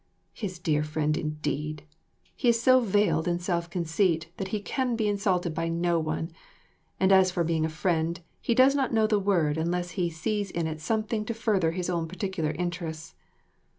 His dear friend indeed! He is so veiled in self conceit that he can be insulted by no one; and as for being a friend, he does not know the word unless he sees in it something to further his own particular interests.